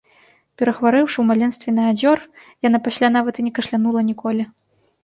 Перахварэўшы ў маленстве на адзёр, яна пасля нават і не кашлянула ніколі.